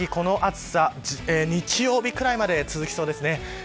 この先、この暑さ日曜日くらいまで続きそうです。